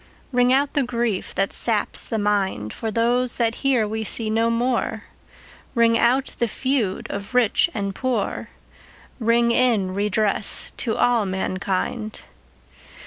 Ring out the grief that saps the mind, For those that here we see no more, Ring out the feud of rich and poor, Ring in redress to all mankind.